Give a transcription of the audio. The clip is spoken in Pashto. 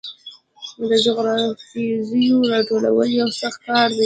د جلغوزیو راټولول یو سخت کار دی.